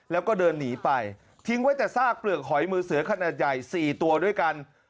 แล้วก็เดินหนีไปทิ้งไว้แต่ซากเปลือกหอยมือเสือขนาดใหญ่๔ตัวด้วยกัน